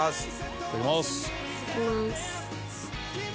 いただきます。